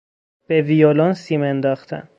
به ویولن سیم انداختن